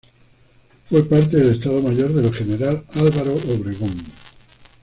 Fue parte del estado mayor del general Álvaro Obregón.